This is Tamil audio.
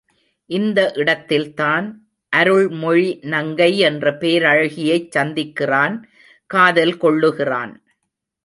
இந்த இடத்தில்தான் அருள் மொழி நங்கை என்ற பேரழகியைச் சந்திக்கிறான் காதல் கொள்ளுகிறான்.